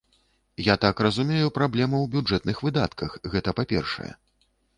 Я так разумею, праблема ў бюджэтных выдатках, гэта па-першае.